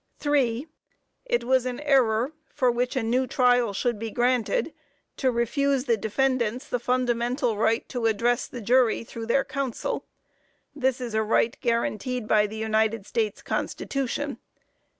3. It was an error, for which a new trial should be granted, to refuse the defendants the fundamental right to address the jury, through their counsel. This is a right guaranteed by the United States Constitution.